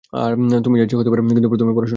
তুমি যা ইচ্ছে হতে পারো -কিন্তু প্রথমে, পড়াশোনা?